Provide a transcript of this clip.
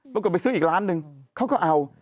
บอกว่าไปซื้ออีกร้านนึงเขาก็เอา